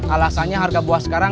alasannya harga buahnya nggak naik